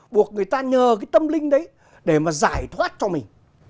buộc người ta nhờ cái tâm linh đấy để mà giải thoát cho mình